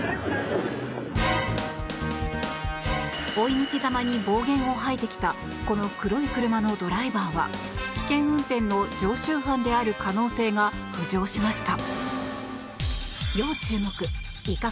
追い抜きざまに暴言を吐いてきたこの黒い車のドライバーは危険運転の常習犯である可能性が浮上しました。